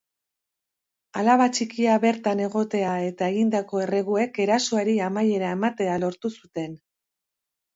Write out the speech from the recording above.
Alaba txikia bertan egotea eta egindako erreguek erasoari amaiera ematea lortu zuten.